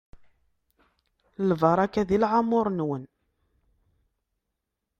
Lbaraka di leɛmur-nwen.